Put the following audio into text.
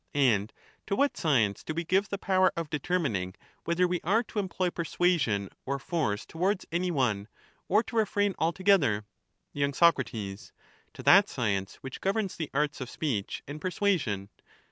And to what science do we give the power of deter mining whether we are to employ persuasion or force towards any one, or to refrain altogether ? Y. Soc. To that science which governs the arts of speech and persuasion.